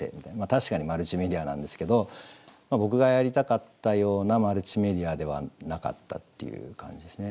確かにマルチメディアなんですけど僕がやりたかったようなマルチメディアではなかったっていう感じですね。